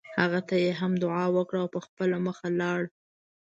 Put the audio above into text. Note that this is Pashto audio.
هغه ته یې هم دعا وکړه او په خپله مخه لاړ.